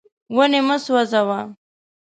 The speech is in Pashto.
ونې مه سوځوه.